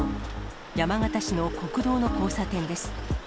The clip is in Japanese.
山形市の国道の交差点です。